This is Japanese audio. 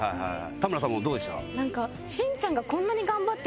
田村さんもどうでした？